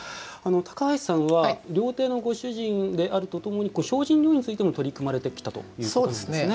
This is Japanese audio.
高橋さんは料亭のご主人であるとともに精進料理についても取り組まれてきたということなんですね。